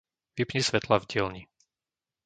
Vypni svetlá v dielni.